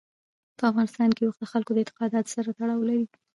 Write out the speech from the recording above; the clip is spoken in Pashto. په افغانستان کې اوښ د خلکو د اعتقاداتو سره تړاو لري.